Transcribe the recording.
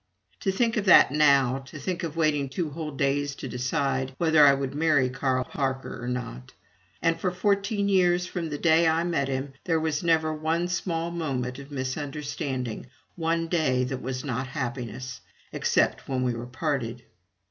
To think of that now to think of waiting two whole days to decide whether I would marry Carl Parker or not!! And for fourteen years from the day I met him, there was never one small moment of misunderstanding, one day that was not happiness except when we were parted.